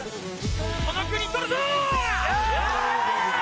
この国取るぞ！